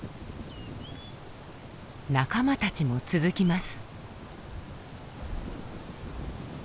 仲間たちも続きます。